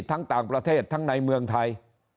ทั้งต่างประเทศทั้งในเมืองไทย